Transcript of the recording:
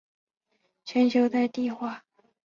全球在地化。